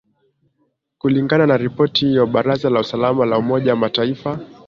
kulingana na ripoti hiyo baraza la usalama la umoja mataifa